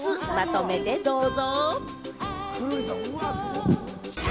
まとめてどうぞ！